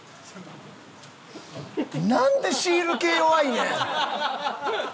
なんでシール系弱いねん！